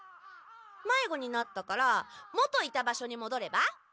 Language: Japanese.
まいごになったから元いた場所にもどれば？